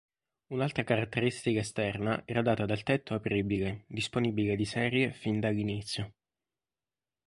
Un'altra caratteristica esterna era data dal tetto apribile, disponibile di serie fin dall'inizio.